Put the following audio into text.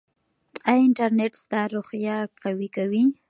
ایا انټرنیټ ستا روحیه قوي کوي؟